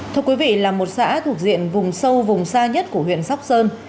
thưa quý vị là một xã thuộc diện vùng sâu vùng xa nhất của huyện sóc sơn